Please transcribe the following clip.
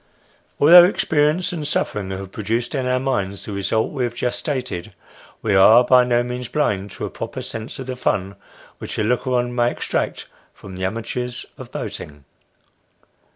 Although experience and suffering have produced in our minds the result we have just stated, we are by no means blind to a proper sense of the fun which a looker on may extract from the amateurs of boating.